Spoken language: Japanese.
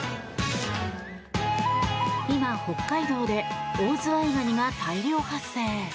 今、北海道でオオズワイガニが大量発生。